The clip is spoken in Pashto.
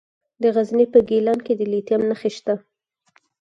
د غزني په ګیلان کې د لیتیم نښې شته.